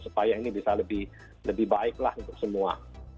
supaya ini bisa lebih baiklah untuk semua